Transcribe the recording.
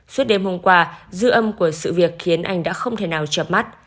suốt đêm hôm qua dư âm của sự việc khiến anh đã không thể nào chập mắt